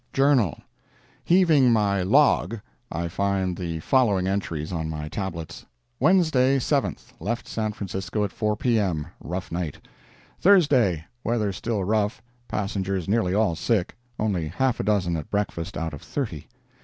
JOURNAL Heaving my "log," I find the following entries on my tablets: Wednesday, 7th—Left San Francisco at 4 P.M.; rough night. Thursday—Weather still rough. Passengers nearly all sick; only half a dozen at breakfast out of thirty.